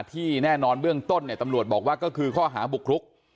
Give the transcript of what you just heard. ที่แน่นอนเบื้องต้นเนี่ยตำรวจบอกว่าก็คือข้อหาบุกรุก